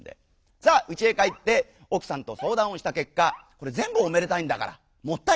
さあうちへ帰っておくさんとそうだんをしたけっかこれぜんぶおめでたいんだからもったいない。